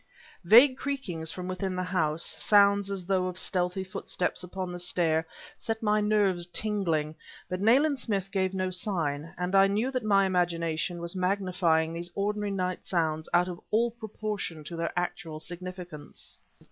Vague creakings from within the house, sounds as though of stealthy footsteps upon the stair, set my nerves tingling; but Nayland Smith gave no sign, and I knew that my imagination was magnifying these ordinary night sounds out of all proportion to their actual significance.